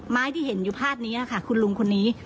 ที่เห็นอยู่ภาพนี้ค่ะคุณลุงคนนี้